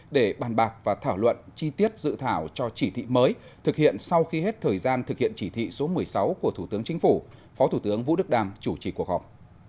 để bàn bạc và thảo luận chi tiết dự thảo cho chỉ thị mới thực hiện sau khi hết thời gian thực hiện chỉ thị số một mươi sáu của thủ tướng chính phủ phó thủ tướng vũ đức đam chủ trì cuộc họp